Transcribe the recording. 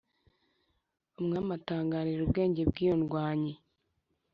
umwami atangarira ubwenge bwiyo ndwanyi